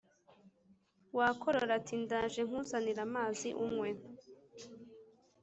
Wakorora ati: ndaje nkuzanire amazi unywe